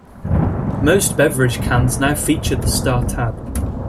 Most beverage cans now feature the Sta-Tab.